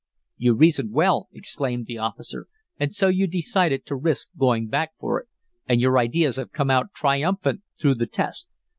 "You reasoned well," exclaimed the officer, "and so you decided to risk going back for it, and your ideas have come out triumphant through the test.